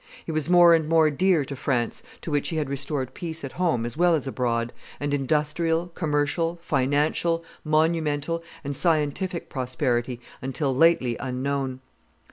He was more and more dear to France, to which he had restored peace at home as well as abroad, and industrial, commercial, financial, monumental, and scientific prosperity, until lately unknown.